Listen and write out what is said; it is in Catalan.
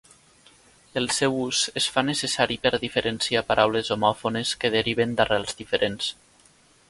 El seu ús es fa necessari per diferenciar paraules homòfones que deriven d'arrels diferents.